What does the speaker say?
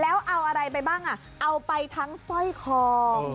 แล้วเอาอะไรไปบ้างเอาไปทั้งสร้อยคอง